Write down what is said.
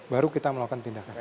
baru kita melakukan tindakan